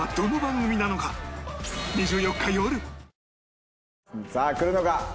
えっ？さあ来るのか？